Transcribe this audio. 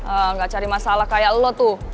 enggak cari masalah kayak lo tuh